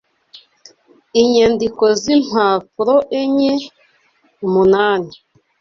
Inyandiko z’impapuro enye, umunani